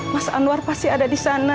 mas anwar pasti ada disana